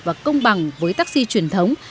và công bằng với taxi truyền thống